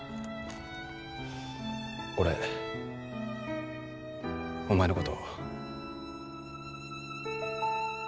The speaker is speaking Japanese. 俺お前のこと。